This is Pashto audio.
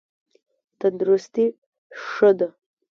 تندرستي ښه ده.